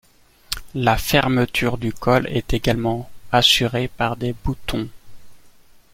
La fermeture du col est également assurée par des boutons.